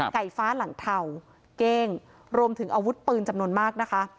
ไก่ฟ้าหลังเทาเก้งรวมถึงอาวุธปืนจำนวนมากนะคะ